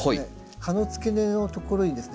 葉の付け根のところにですね